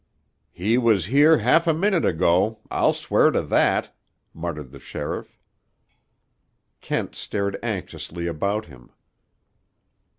"He was here half a minute ago; I'll swear to that," muttered the sheriff. Kent stared anxiously about him.